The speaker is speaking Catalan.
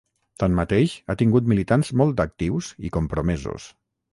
Tanmateix, ha tingut militants molt actius i compromesos.